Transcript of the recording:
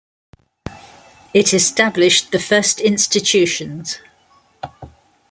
It established the first institutions.